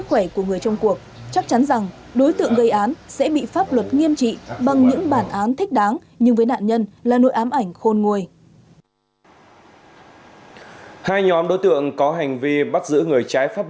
tối ngày năm tháng năm đối tượng gây án sẽ bị pháp luật nghiêm trị bằng những bản án thích đáng nhưng với nạn nhân là nỗi ám ảnh khôn nguôi